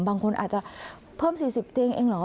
บางคนอาจจะเพิ่ม๔๐เตียงเองเหรอ